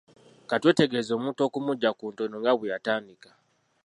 Ka twetegereze omuntu okumuggya ku ntono nga bwe yatandika.